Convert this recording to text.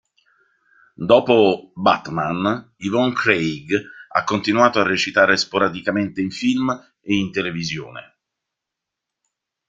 Dopo "Batman", Yvonne Craig ha continuato a recitare sporadicamente in film e in televisione.